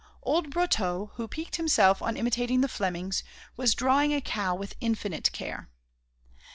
Old Brotteaux who piqued himself on imitating the Flemings, was drawing a cow with infinite care.